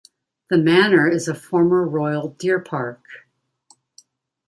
The manor is a former royal deer park.